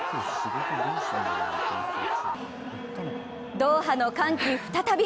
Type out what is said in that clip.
ドーハの歓喜、再び。